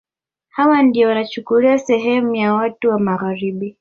Hawa ndio wanachukua sehemu ya watu wa Magharibi